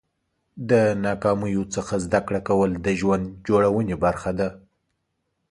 د ناکامیو څخه زده کړه کول د ژوند جوړونې برخه ده.